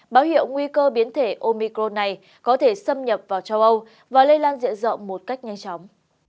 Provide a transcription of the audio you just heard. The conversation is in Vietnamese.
báo hiệu nguy cơ biến thể omicron này có thể xâm nhập vào châu âu và lây lan dễ dọn một cách nhanh chóng